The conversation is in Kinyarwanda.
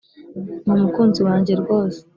ni umukunzi wange rwose